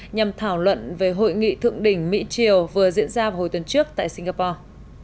nhằm thảo luận về hội nghị thượng đỉnh mỹ triều vừa diễn ra vào tuần trước tại singapore